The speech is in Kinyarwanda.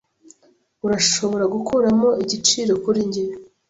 Urashobora gukuramo igiciro kuri njye?